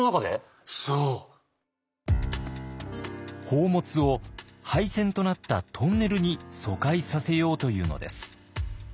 宝物を廃線となったトンネルに疎開させようというのです。